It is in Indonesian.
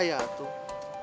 saya yang jelasin